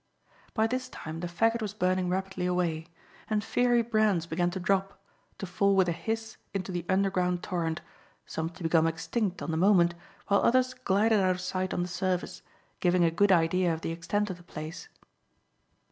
By this time the faggot was burning rapidly away, and fiery brands began to drop, to fall with a hiss into the underground torrent, some to become extinct on the moment, while others glided out of sight on the surface, giving a good idea of the extent of the place.